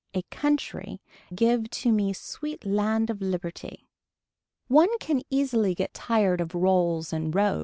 A country give to me sweet land of liberty. One can easily get tired of rolls and rows.